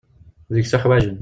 Deg-s uḥwaǧen.